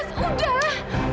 mas mas udah